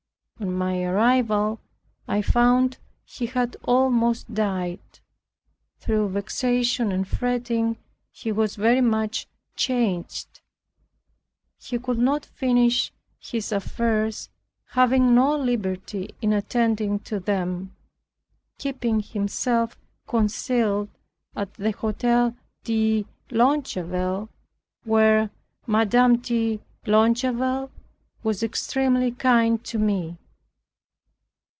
On my arrival I found he had almost died. Through vexation and fretting he was very much changed. He could not finish his affairs, having no liberty in attending to them, keeping himself concealed at the Hotel de Longueville, where Madame de Longueville was extremely kind to me.